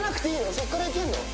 そこからいけるの？